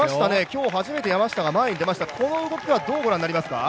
今日初めて山下が前に出ました、この動きはどうご覧になりますか？